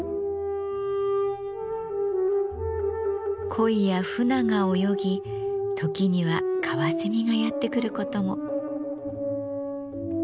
コイやフナが泳ぎ時にはカワセミがやって来ることも。